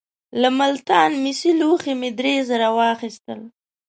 له ملتان مسي لوښي مې درې زره واخیستل.